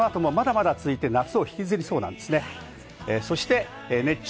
厳しい暑さ、この後もまだまだ続いて夏を引きずりそうなんですね。